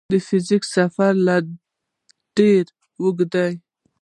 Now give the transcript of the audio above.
د فزیک سفر لا ډېر اوږ دی.